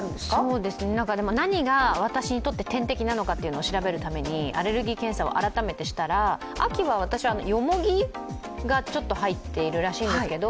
そうです、何が私にとって天敵なのか調べるためにアレルギー検査を改めてしたら、秋は私はヨモギがちょっと入っているらしいんですけど。